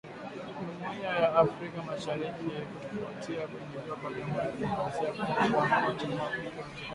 ya Jumuiya ya Afrika Mashariki kufuatia kuingizwa kwa Jamhuri ya Kidemokrasi ya Kongo kuwa mwanachama mpya katika jumuiya hiyo